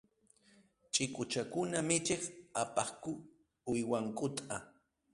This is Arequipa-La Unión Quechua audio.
Chikuchakuna michiq apaqku uywankuta.